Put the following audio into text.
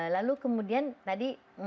lalu kemudian tadi